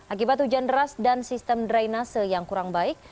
akibat hujan deras dan sistem drainase yang kurang baik